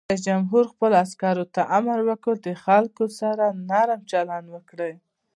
رئیس جمهور خپلو عسکرو ته امر وکړ؛ له خلکو سره نرم چلند وکړئ!